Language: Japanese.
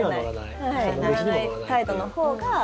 乗らない態度のほうが。